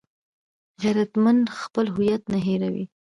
غیرتمند خپل هویت نه هېروي